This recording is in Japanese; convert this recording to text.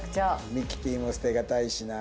ミキティも捨てがたいしな。